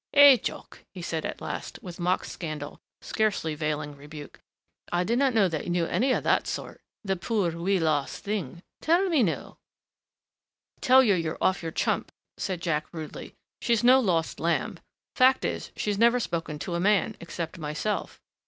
"Eh, Jock," he said at last, with mock scandal scarcely veiling rebuke. "I did not know that you knew any of that sort the poor, wee lost thing.... Tell me, now " "Tell you you're off your chump," said Jack rudely. "She's no lost lamb. Fact is, she's never spoken to a man except myself."